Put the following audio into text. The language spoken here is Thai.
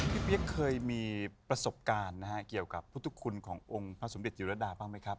เปี๊ยกเคยมีประสบการณ์นะฮะเกี่ยวกับพุทธคุณขององค์พระสมเด็จจิรดาบ้างไหมครับ